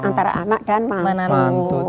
antara anak dan mantu